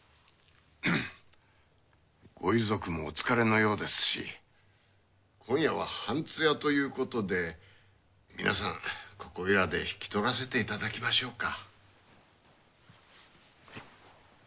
ご遺族もお疲れのようですし今夜は半通夜ということで皆さんここいらで引き取らせていただきましょうか。